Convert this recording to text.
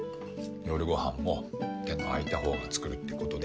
夜ごはんも手の空いた方が作るってことで。